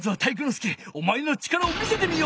介おまえの力を見せてみよ！